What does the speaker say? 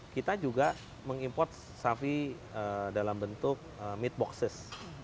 kita juga mengimport sapi dalam bentuk meat boxes